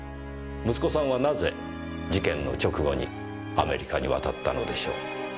息子さんはなぜ事件の直後にアメリカに渡ったのでしょう？